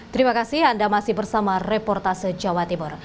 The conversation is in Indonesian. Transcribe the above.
terima kasih anda masih bersama reportase jawa timur